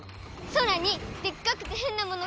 空にでっかくてへんなものが。